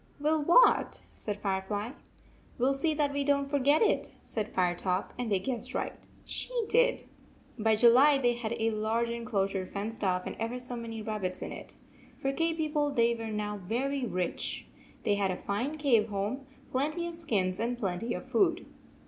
"Will what?" said Firefly. "Will see that we don t forget it," said Firetop, and they guessed right. She did. By July they had a large enclosure fenced off and ever so many rabbits in it. For cave people they were now very rich. They had a fine cave home, plenty of skins, and plenty of food.